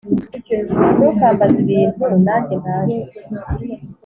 Ntukambaze ibintu nanjye ntazi